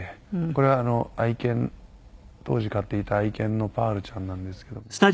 これ愛犬当時飼っていた愛犬のパールちゃんなんですけども。